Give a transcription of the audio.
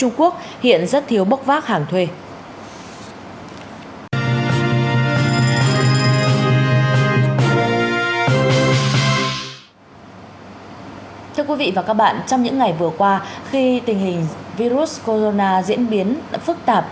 ngay trong những ngày vừa qua khi dịch covid diễn biến phức tạp